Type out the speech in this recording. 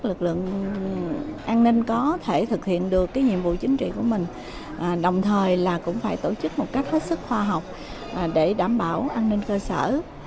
lực lượng an ninh có thể thực hiện được nhiệm vụ chính trị của mình đồng thời là cũng phải tổ chức một cách hết sức khoa học để đảm bảo an ninh cơ sở